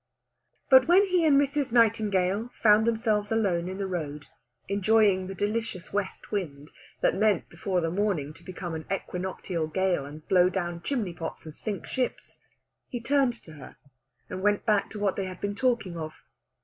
But when he and Mrs. Nightingale found themselves alone in the road, enjoying the delicious west wind that meant before the morning to become an equinoctial gale, and blow down chimney pots and sink ships, he turned to her and went back to what they had been talking of.